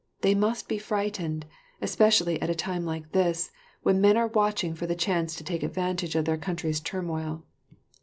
They must be frightened; especially at a time like this, when men are watching for the chance to take advantage of their country's turmoil.